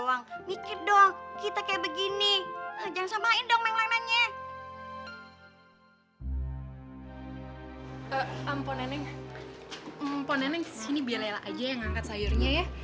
ampun neneng kesini biar lela aja yang angkat sayurnya ya